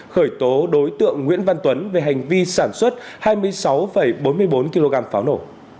khởi tố đối tượng nguyễn văn tuấn về hành vi sản xuất hai mươi sáu bốn mươi bốn kg pháo nổ